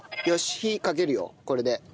よし火かけるよこれで。